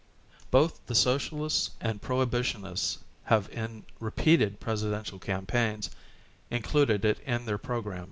Both the Socialists and Prohibition ists have in repeated Presidential campaigns included it in their program.